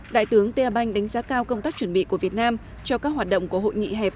đại tướng tia banh đánh giá cao công tác chuẩn bị của việt nam cho các hoạt động của hội nghị hẹp